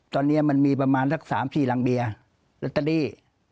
ตอนนี้มันมีประมาณสัก๓๔รังเบียร์ลอตเตอรี่